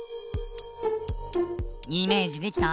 イメージできた？